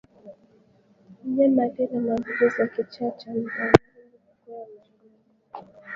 Mnyama aliye na maambukizi ya kichaa cha mbwa hujaribu kukwea magogo